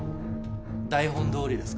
台本どおりですから。